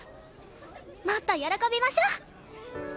もっと喜びましょ！